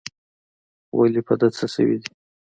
ولي په ده څه سوي دي؟